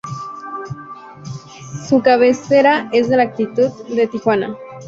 Su cabecera es la ciudad de Tijuana.